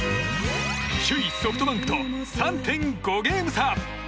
首位ソフトバンクと３．５ゲーム差。